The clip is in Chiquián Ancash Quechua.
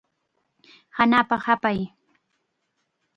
Hanapa hapay.